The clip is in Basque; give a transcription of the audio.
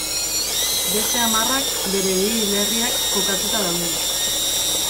Beste hamarrak bere bi hilerriak kokatuta daude.